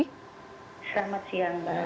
selamat siang mbak